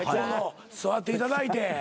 座っていただいて。